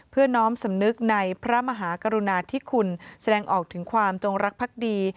น้อมสำนึกในพระมหากรุณาธิคุณแสดงออกถึงความจงรักภักดี